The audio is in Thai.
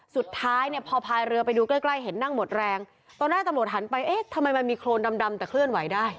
สุดท้ายเนี่ยพอพายเรือไปดูใกล้ใกล้เห็นนั่งหมดแรงตอนแรกตำรวจหันไปเอ๊ะทำไมมันมีโครนดำแต่เคลื่อนไหวได้